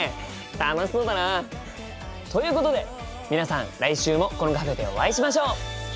楽しそうだな！ということで皆さん来週もこのカフェでお会いしましょう！